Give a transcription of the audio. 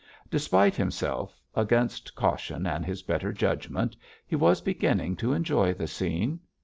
Despite himself, against caution and his better judgment, he was beginning to enjoy the scene.